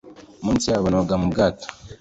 Munsi yabo noga mu bwato